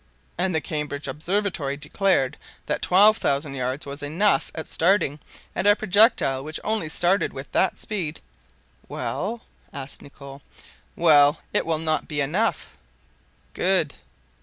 "And the Cambridge Observatory declared that twelve thousand yards was enough at starting; and our projectile, which only started with that speed—" "Well?" asked Nicholl. "Well, it will not be enough." "Good."